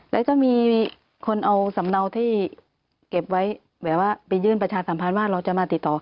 แล้วจะมีคนเอาสำเนาที่เก็บไว้แบบว่าไปยื่นประชาสัมพันธ์ว่าเราจะมาติดต่อ